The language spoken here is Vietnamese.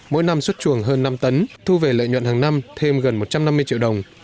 mỗi năm xuất chuồng hơn năm tấn thu về lợi nhuận hàng năm thêm gần một trăm năm mươi triệu đồng